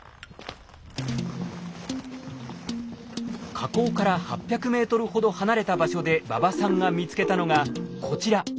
火口から８００ｍほど離れた場所で馬場さんが見つけたのがこちら。